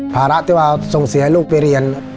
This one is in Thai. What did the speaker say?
ภาระที่ว่าส่งเสียลูกไปเรียน